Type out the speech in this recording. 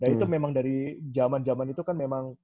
dan itu memang dari jaman jaman itu kan memang